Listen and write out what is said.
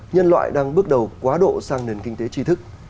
nhân loại đang bước đầu quá độ sang nền kinh tế tri thức